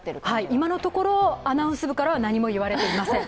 今のところ、アナウンス部からは何も言われていません。